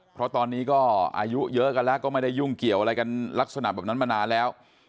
เพราะตอนนี้ก็อายุเยอะกันแล้วก็ไม่ได้ยุ่งเกี่ยวอะไรกันลักษณะแบบนั้นมานานแล้ว